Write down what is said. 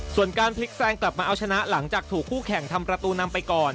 ส่วนการพลิกแซงกลับมาเอาชนะหลังจากถูกคู่แข่งทำประตูนำไปก่อน